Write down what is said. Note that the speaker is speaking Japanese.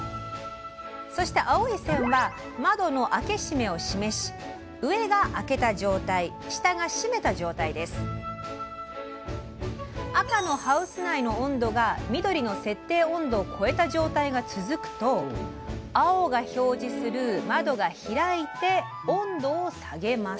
そして青い線は窓の開け閉めを示し上が開けた状態下が閉めた状態です赤のハウス内の温度が緑の設定温度をこえた状態が続くと青が表示する窓が開いて温度を下げます。